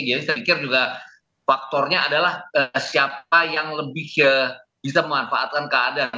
jadi saya pikir juga faktornya adalah siapa yang lebih bisa memanfaatkan keadaan